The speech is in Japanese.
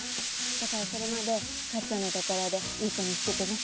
だからそれまでカッちゃんのところでいい子にしててね。